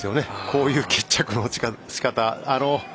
こういう決着のしかた。